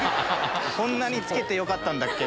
そんなに付けてよかったんだっけ？